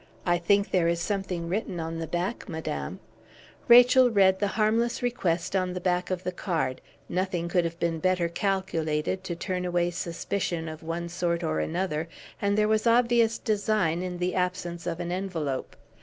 I think there is something written on the back, madame." Rachel read the harmless request on the back of the card; nothing could have been better calculated to turn away suspicion of one sort or another, and there was obvious design in the absence of an envelope.